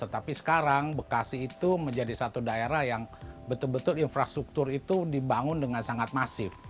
tetapi sekarang bekasi itu menjadi satu daerah yang betul betul infrastruktur itu dibangun dengan sangat masif